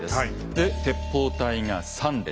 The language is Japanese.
で鉄砲隊が３列。